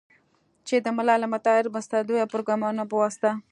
چې د ملل متحد مرستندویه پروګرامونو په واسطه